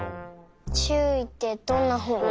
ちゅういってどんなふうに？